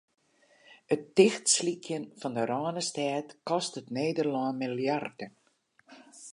It tichtslykjen fan de Rânestêd kostet Nederlân miljarden.